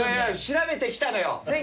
調べてきたのよ。